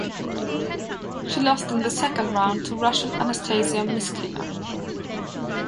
She lost in the second round to Russian Anastasia Myskina.